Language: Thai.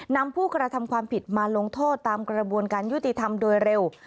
นำผู้กระทำความผิดมาลงโทษตามกระบวนการยุติธรรมโดยเร็ว